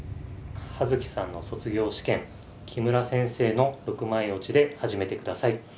葉月さんの卒業試験木村先生の６枚落ちで始めてください。